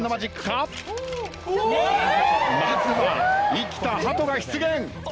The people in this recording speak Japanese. まずは生きたハトが出現！